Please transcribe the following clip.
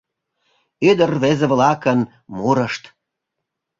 ӰДЫР-РВЕЗЕ-ВЛАКЫН МУРЫШТ.